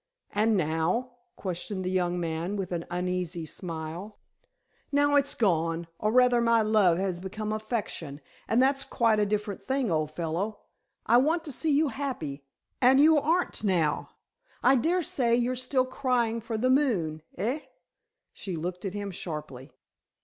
"And now?" questioned the young man with an uneasy smile. "Now it's gone, or rather my love has become affection, and that's quite a different thing, old fellow. I want to see you happy, and you aren't now. I daresay you're still crying for the moon. Eh?" she looked at him sharply.